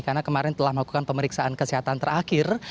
karena kemarin telah melakukan pemeriksaan kesehatan terakhir